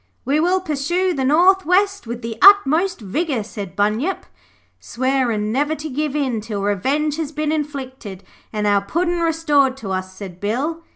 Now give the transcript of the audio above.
'We will pursue to the north west with the utmost vigour,' said Bunyip. 'Swearin' never to give in till revenge has been inflicted and our Puddin' restored to us,' said Bill.